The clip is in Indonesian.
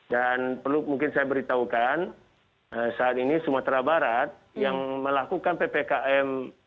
dan perlu mungkin saya beritahukan saat ini sumatera barat yang melakukan ppkm